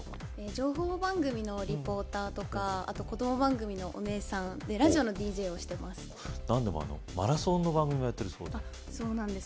情報番組のリポーターとかあと子ども番組のお姉さんラジオのＤＪをしてますなんでもマラソンの番組もやってるそうでそうなんです